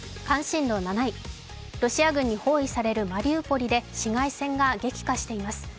関心度７位、ロシア軍に包囲されるマリウポリで市街戦が激化しています。